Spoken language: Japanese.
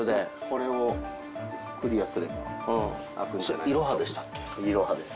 これをクリアすれば開くんじゃないかと。